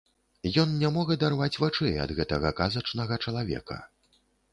Ён не мог адарваць вачэй ад гэтага казачнага чалавека.